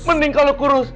mending kalau kurus